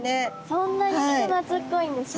そんなに人懐っこいんですね。